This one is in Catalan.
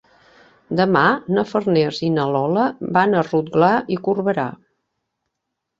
Demà na Farners i na Lola van a Rotglà i Corberà.